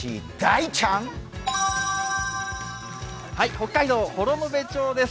北海道・幌延町です。